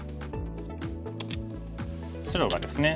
白がですね